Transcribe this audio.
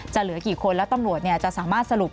เหลือกี่คนแล้วตำรวจจะสามารถสรุป